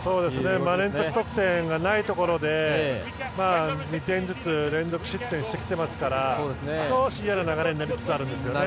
連続得点がないところで２点ずつ連続失点してきていますから少しいやな流れになりつつあるんですよね。